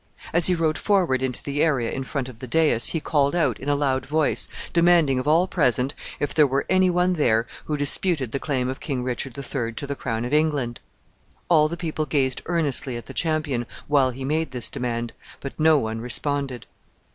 As he rode forward into the area in front of the dais, he called out, in a loud voice, demanding of all present if there were any one there who disputed the claim of King Richard the Third to the crown of England. All the people gazed earnestly at the champion while he made this demand, but no one responded.